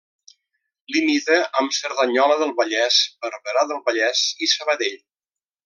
Limita amb Cerdanyola del Vallès, Barberà del Vallès i Sabadell.